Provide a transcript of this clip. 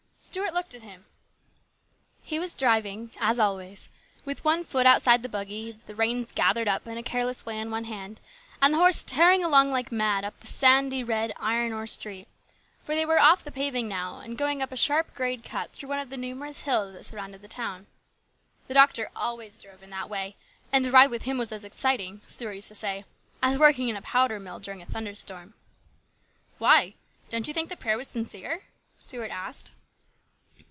Stuart looked at him. He was driving, as always, 16 HIS BROTHER'S KEEPER. with one foot outside the buggy, the reins gathered up in a careless way in one hand and the horse tearing along like mad up the sandy, red, iron ore street, for they were off the paving now and going up a sharp grade cut through one of the numerous hills that surrounded the town. The doctor always drove in that way, and a ride with him was as exciting, Stuart used to say, as working in a powder mill during a thunderstorm. " Why ? Don't you think the prayer was sincere ?" Stuart asked.